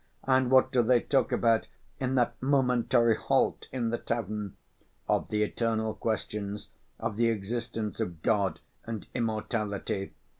And what do they talk about in that momentary halt in the tavern? Of the eternal questions, of the existence of God and immortality.